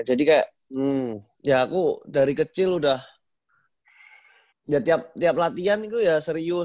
jadi kayak ya aku dari kecil udah ya tiap latihan itu ya serius